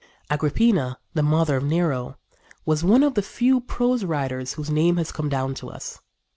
Agrippina, the mother of Nero, was one of the few prose writers whose name has come down to us.